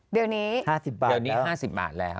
เดี๋ยวนี้๕๐บาทแล้ว